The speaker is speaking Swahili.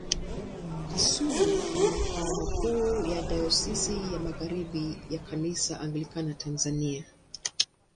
Kasulu ni makao makuu ya Dayosisi ya Magharibi ya Kanisa Anglikana Tanzania.